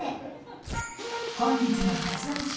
［本日の発案者